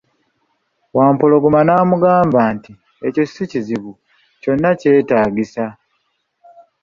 Wampologoma n'amugamba nti, ekyo sikizibu, kyonna kye kyetagisa.